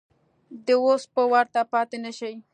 د وس به ورته پاتې نه شي.